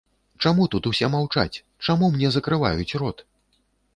Чаму тут усе маўчаць, чаму мне закрываюць рот?